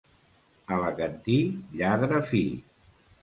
Alacantí, lladre fi.